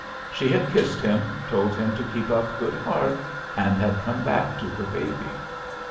She had kissed him, told him to keep up good heart, and had come back to her baby.